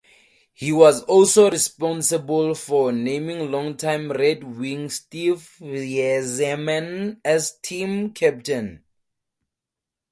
He was also responsible for naming longtime Red Wing Steve Yzerman as team captain.